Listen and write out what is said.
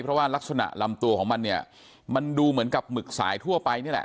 เพราะว่ารักษณะลำตัวของมันมันดูเหมือนกับหมึกสายทั่วไป